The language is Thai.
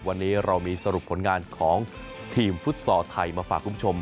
วันนี้เรามีสรุปผลงานของทีมฟุตซอลไทยมาฝากคุณผู้ชม